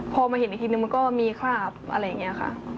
พอมาเห็นอีกทีนึงมันก็มีคราบอะไรอย่างนี้ค่ะ